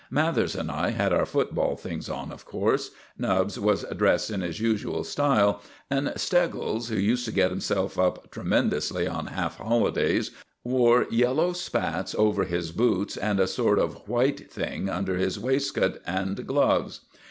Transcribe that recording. Mathers and I had our football things on, of course; Nubbs was dressed in his usual style, and Steggles, who used to get himself up tremendously on half holidays, wore yellow spats over his boots, and a sort of white thing under his waistcoat, and gloves.